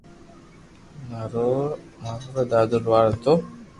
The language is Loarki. مارو پڙ دادو لوھار ھتو